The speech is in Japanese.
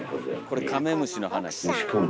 これカメムシの話やから。